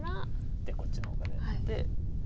でこっちの方からやって。